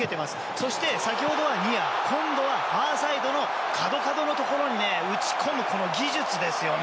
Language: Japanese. そして、先ほどはニア今度はファーサイドの角、角のところに打ち込むという技術ですよね。